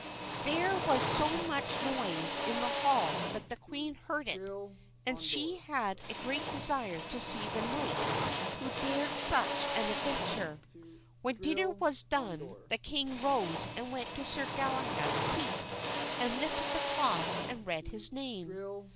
There was so much noise in the hall that the queen heard it, and she had a great desire to see the knight who dared such an adventure. When dinner was done the king rose and went to Sir Galahad's seat and lifted the cloth and read his name.